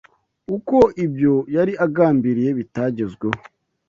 uko ibyo yari agambiriye bitagezweho